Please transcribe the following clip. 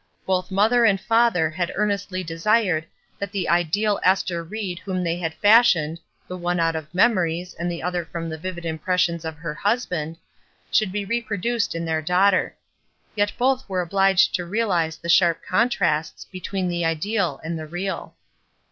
Both mother and father had earnestly desired that the ideal Ester Ried whom they had fashioned, the one out of memories, and the other from the vivid impressions of her husband, should be repro duced in their daughter. Yet both were obliged to realize the sharp contrasts between the ideal and the real.